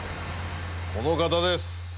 この方です！